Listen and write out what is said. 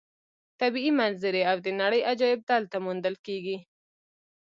طبیعي منظرې او د نړۍ عجایب دلته موندل کېږي.